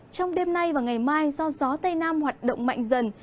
trong đêm nay và ngày mai do gió tây nam hoạt động mạnh dần